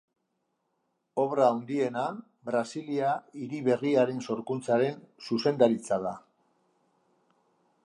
Obra handiena, Brasilia hiri berriaren sorkuntzaren zuzendaritza da.